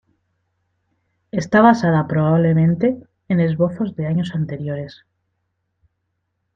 Está basada probablemente en esbozos de años anteriores.